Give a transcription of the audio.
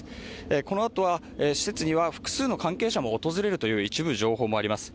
このあとは施設には複数の関係者も訪れるという一部情報もあります。